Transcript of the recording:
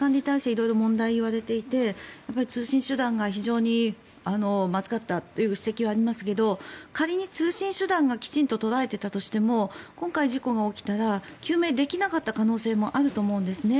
色々、問題が言われていて通信手段が非常にまずかったという指摘がありますけど仮に通信手段がきちんと取られていたとしても今回、事故が起きたら救命できなかった可能性もあると思うんですね。